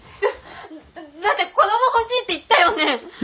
だって子供欲しいって言ったよね！？